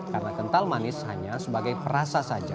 karena kental manis hanya sebagai perasa saja